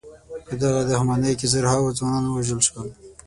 په دغه دښمنۍ کې زرهاوو ځوانان ووژل شول.